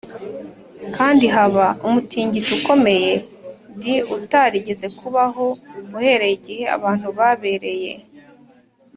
kandi haba umutingito ukomeye d utarigeze kubaho uhereye igihe abantu babereye